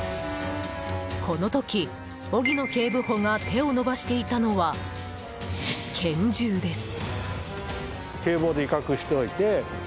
この時、荻野警部補が手を伸ばしていたのは拳銃です。